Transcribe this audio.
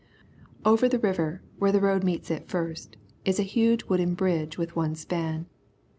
Over the river, where the road meets it first, is a huge wooden bridge with one span.